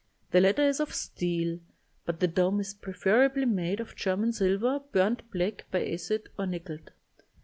The latter is of steel, but the dome is preferably made of German silver burnt black by acid or nickeled.